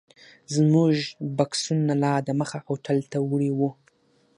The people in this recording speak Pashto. زموږ بکسونه یې لا دمخه هوټل ته وړي وو.